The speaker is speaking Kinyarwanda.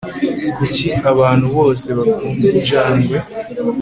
kuki abantu bose bakunda injangwe